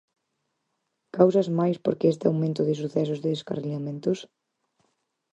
Causas Mais por que este aumento de sucesos de descarrilamentos?